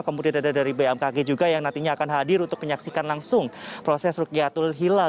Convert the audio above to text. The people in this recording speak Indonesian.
kemudian ada dari bmkg juga yang nantinya akan hadir untuk menyaksikan langsung proses rukyatul hilal